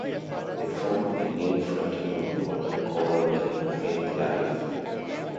They formed a new fraternal order called the Faith Life.